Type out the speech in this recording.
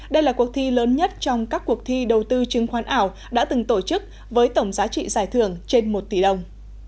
đây là cuộc thi lớn nhất trong các cuộc thi đầu tư chứng khoán ảo đã từng tổ chức với tổng giá trị giải thưởng trên một tỷ đồng